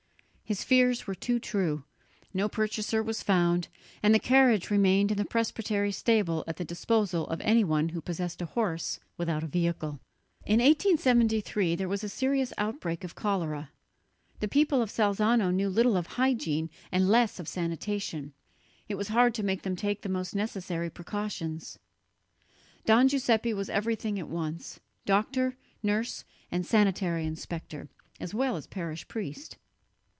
His fears were too true; no purchaser was found, and the carriage remained in the presbytery stable at the disposal of anyone who possessed a horse without a vehicle. In 1873 there was a serious outbreak of cholera. The people of Salzano knew little of hygiene and less of sanitation; it was hard to make them take the most necessary precautions. Don Giuseppe was everything at once: doctor, nurse and sanitary inspector, as well as parish priest.